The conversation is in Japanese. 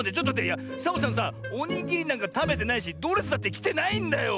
いやサボさんさおにぎりなんかたべてないしドレスだってきてないんだよ！